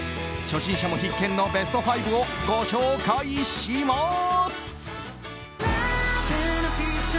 初心者も必見のベスト５をご紹介します。